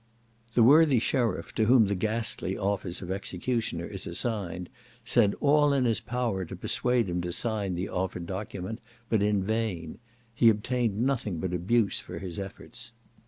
The worthy sheriff, to whom the ghastly office of executioner is assigned, said all in his power to persuade him to sign the offered document, but in vain; he obtained nothing but abuse for his efforts.